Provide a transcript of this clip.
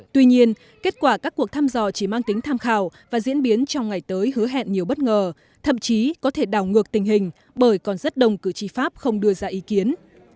tuy nhiên kết quả các cuộc thăm dò chỉ mang tính tham khảo và diễn biến trong ngày tới hứa hẹn nhiều bất ngờ thậm chí có thể đảo ngược tình hình bởi còn rất đông cử tri pháp không đưa ra ý kiến